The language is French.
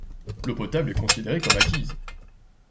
L'eau potable est considérée comme acquise.